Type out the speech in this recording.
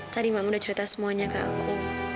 tadi makmu sudah cerita semuanya ke aku